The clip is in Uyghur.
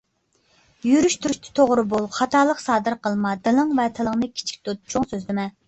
يۈرۈش تۇرۇشتا توغرا بول، خاتالىق سادىر قىلما. دىلىڭ ۋە تىلىڭنى كىچىك تۇت، چوڭ سۆزلىمە.